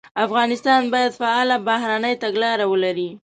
افغانستان باید فعاله بهرنۍ تګلاره ولري.